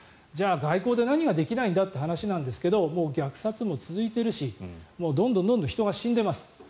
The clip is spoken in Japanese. じゃあ、外交で何ができないんだという話ですがもう虐殺も続いているしどんどん人が死んでいます。